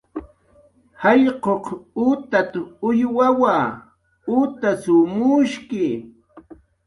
"Jallq'uq utat"" uywawa, utasw mushki."